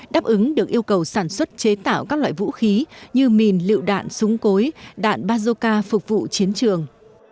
đáp ứng được yêu cầu sản xuất chế tạo các loại vũ khí như mìn lựu đạn súng cối đạn bazoka phục vụ chiến trường